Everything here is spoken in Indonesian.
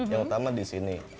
yang utama di sini